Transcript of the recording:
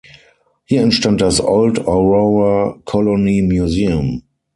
Hier entstand das "Old Aurora Colony Museum.